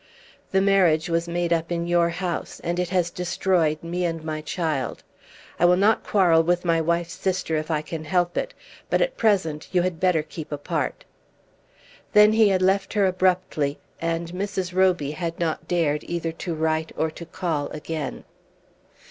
"The marriage was made up in your house, and it has destroyed me and my child. I will not quarrel with my wife's sister if I can help it, but at present you had better keep apart." Then he had left her abruptly, and Mrs. Roby had not dared either to write or to call again.